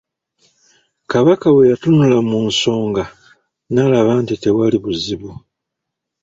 Kabaka bwe yatunula mu nsonga n'alaba nti tewaalibuzibu.